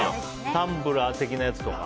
タンブラー的なやつとか。